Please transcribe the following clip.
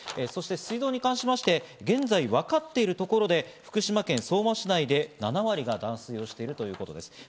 そして水道に関しまして、現在分かっているところで福島県相馬市内で７割が断水をしているということです。